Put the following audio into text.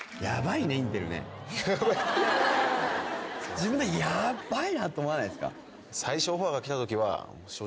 自分でやばいなって思わないですか？